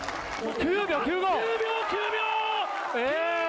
９秒９５！